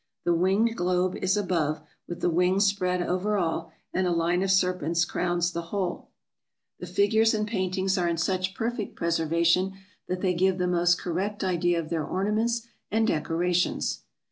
The winged globe is above, with the wings spread over all, and a line of serpents crowns the whole. The figures and paint 368 TRAVELERS AND EXPLORERS ings are in such perfect preservation that they give the most correct idea of their ornaments and decorations.